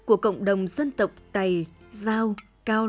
chúc các bạn một ngày tuyệt vời